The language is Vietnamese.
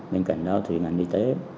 bên cạnh đó thì ngành y tế